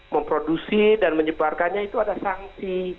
memproduksi dan menyebarkannya itu ada sanksi